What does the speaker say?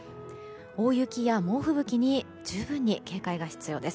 大雪や猛吹雪に十分に警戒が必要です。